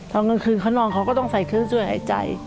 ตอนกลางคืนเขานอนเขาก็ต้องใส่เครื่องช่วยหายใจ